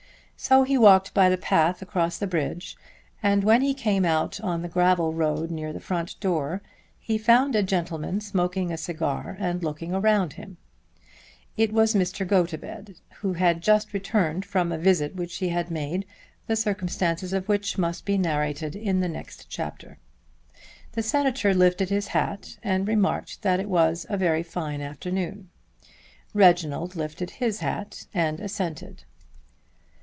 So he walked by the path across the bridge and when he came out on the gravel road near the front door he found a gentleman smoking a cigar and looking around him. It was Mr. Gotobed who had just returned from a visit which he had made, the circumstances of which must be narrated in the next chapter. The Senator lifted his hat and remarked that it was a very fine afternoon. Reginald lifted his hat and assented.